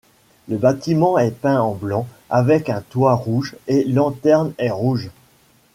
Le bâtiment est peint en blanc avec un toit rouge et lanterne est rouge.